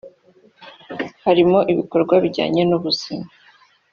harimo ibikorwa bijyanye n’ubuzima